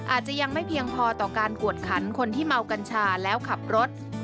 อาจจะยังไม่เพียงพอต่อการกวดขันคนที่เมากัญชาแล้วขับรถ